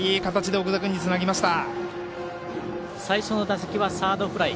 奥田、最初の打席はサードフライ。